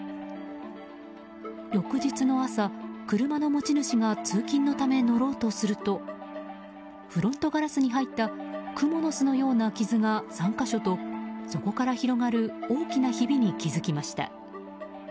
翌日の朝、車の持ち主が通勤のため乗ろうとするとフロントガラスに入ったクモの巣のような傷が３か所とそこから広がる大きなひびに気づきました。